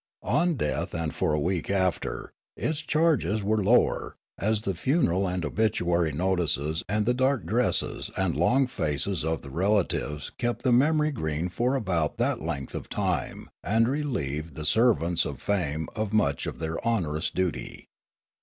On death and for a week after, its charges were lower, as the funeral and obituary notices and the dark dresses and long faces of the rela tives kept the memory green for about that length of time and relieved the servants of fame of much of their onerous duty.